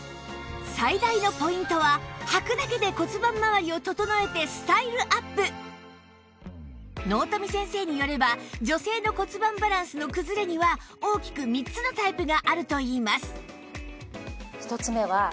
最大のポイントは納富先生によれば女性の骨盤バランスの崩れには大きく３つのタイプがあるといいます